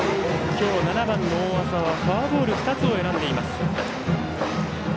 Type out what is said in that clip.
今日、７番の大麻はフォアボール２つ選んでいます。